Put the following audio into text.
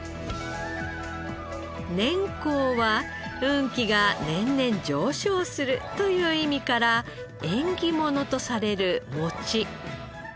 年は運気が年々上昇するという意味から縁起物とされる餅。